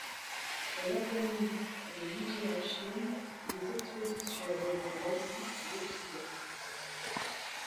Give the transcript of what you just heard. Elle organise, pour des musées en Chine, des expositions reliant l'Asie et l'occident.